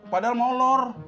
padahal mau olor